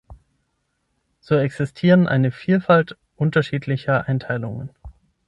So existiert eine Vielfalt unterschiedlicher Einteilungen.